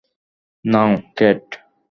নাও, cat.